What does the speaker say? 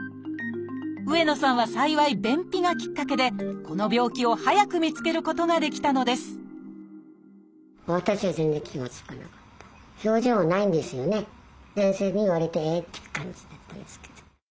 上野さんは幸い便秘がきっかけでこの病気を早く見つけることができたのです先生に言われてえ！っていう感じだったですけど。